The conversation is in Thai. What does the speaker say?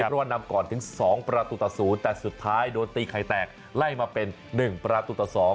เพราะว่านำก่อนถึง๒ประตูต่อ๐แต่สุดท้ายโดนตีไข่แตกไล่มาเป็น๑ประตูต่อ๒